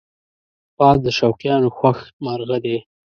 باز د شوقیانو خوښ مرغه دی